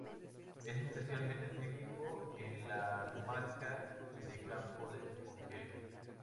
Es especialmente típico en la comarca de Campo de Montiel.